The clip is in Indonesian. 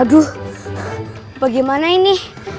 aduh bagaimana ini